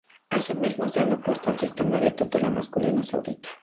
Asimismo se ha opuesto al sistema de tutela masculina saudita.